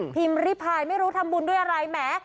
พิมพ์ริพายไม่รู้ทำบุญด้วยอะไรแม้